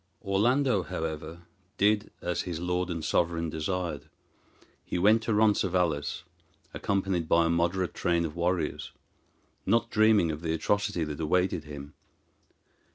Orlando, however, did as his lord and sovereign desired. He went to Roncesvalles, accompanied by a moderate train of warriors, not dreaming of the atrocity that awaited him.